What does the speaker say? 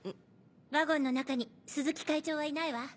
ワゴンの中に鈴木会長はいないわ。